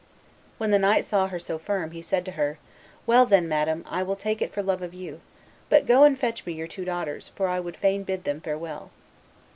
When the knight saw her so firm, he said to her, 'Well, then, madam, I will take it for love of you; but go and fetch me your two daughters, for I would fain bid them farewell.